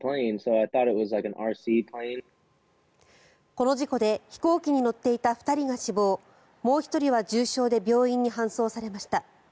この事故で飛行機に乗っていた２人が死亡もう１人は重傷で病院に搬送されました。